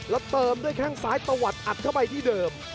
แล้วเติมด้วยแข้งซ้ายตะวัดอัดเข้าไปที่เดิม